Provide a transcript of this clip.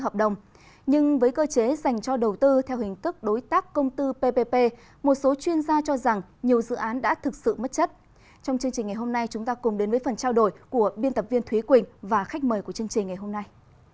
trong chương trình ngày hôm nay chúng ta cùng đến với phần trao đổi của biên tập viên thúy quỳnh và khách mời của chương trình ngày hôm nay